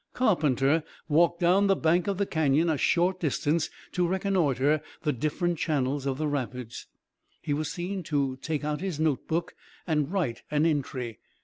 Carpenter walked down the bank of the canyon a short distance to reconnoitre the different channels of the rapids. He was seen to take out his notebook and write an entry.